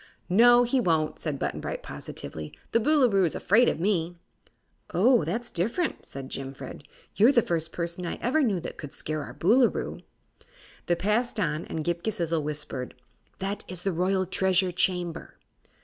"No, he won't," said Button Bright, positively. "The Boolooroo's afraid of me." "Oh, that's different," said Jimfred. "You're the first person I ever knew that could scare our Boolooroo." They passed on, and Ghip Ghisizzle whispered: "That is the Royal Treasure Chamber."